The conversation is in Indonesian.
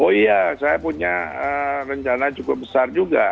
oh iya saya punya rencana cukup besar juga